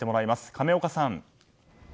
亀岡さん。